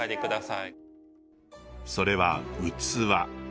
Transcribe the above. それは器。